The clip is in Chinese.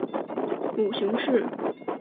母熊氏。